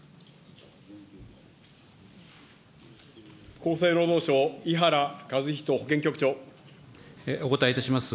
厚生労働省、お答えいたします。